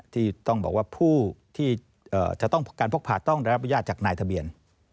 ที่ต้องบอกว่าผู้ที่จะต้องการพกผ่าต้องได้รับอนุญาตจากนายทะเบียน